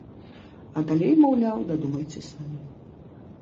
А далей, маўляў, дадумайце самі.